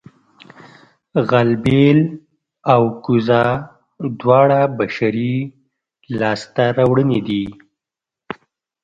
غلبېل او کوزه دواړه بشري لاسته راوړنې دي